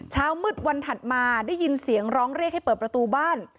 เช้ามืดวันถัดมาได้ยินเสียงร้องเรียกให้เปิดประตูบ้าน